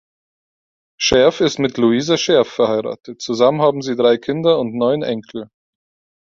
Scherf ist mit Luise Scherf verheiratet, zusammen haben sie drei Kinder und neun Enkel.